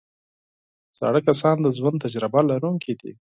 زاړه کسان د ژوند تجربه لرونکي دي